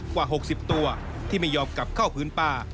กว่า๖๐ตัวที่ไม่ยอมกลับเข้าพื้นป่า